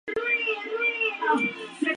Habría estudiado con su tío, Andrea Gabrieli.